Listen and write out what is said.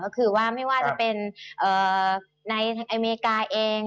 ก็คือว่าไม่ว่าจะเป็นในอเมริกาเอง